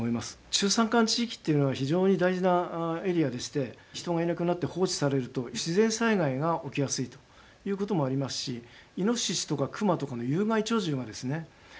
中山間地域っていうのは非常に大事なエリアでして人がいなくなって放置されると自然災害が起きやすいということもありますしイノシシとかクマとかの有害鳥獣がですね